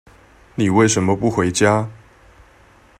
你為什麼不回家？